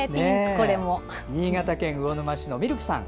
新潟県魚沼市のみるくさん。